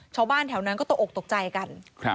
ชาวบ้านแถวนั้นก็ตกอกตกใจกัน